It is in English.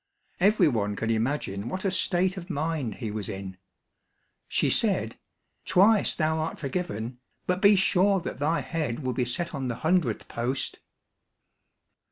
Every one can imagine what a state of mind he was in. She said, "Twice thou art forgiven, but be sure that thy head will be set on the hundredth post."